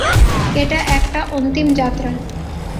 এটা একটা অন্তিম যাত্রা।